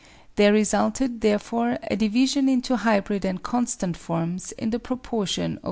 There resulted, therefore, a division into hybrid and constant forms in the proportion of 2.